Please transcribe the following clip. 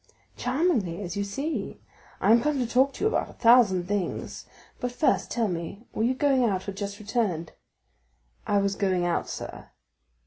"Charmingly, as you see. I am come to talk to you about a thousand things; but, first tell me, were you going out or just returned?" "I was going out, sir."